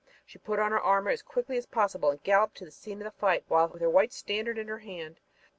She put on her armor as quickly as possible and galloped to the scene of the fight with her white standard in her hand.